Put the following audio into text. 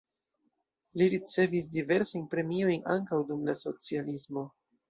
Li ricevis diversajn premiojn ankaŭ dum la socialismo.